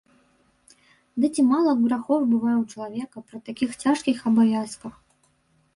Ды ці мала грахоў бывае ў чалавека пры такіх цяжкіх абавязках?